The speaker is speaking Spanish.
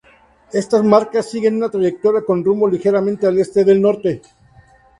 Estas marcas siguen una trayectoria con rumbo ligeramente al este del norte.